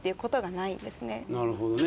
なるほどね